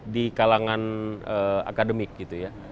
di kalangan akademik gitu ya